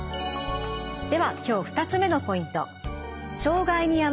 では今日２つ目のポイント。